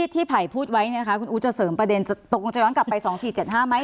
ไผ่พูดไว้คุณอู๋จะเสริมประเด็นตกลงจะย้อนกลับไป๒๔๗๕ไหม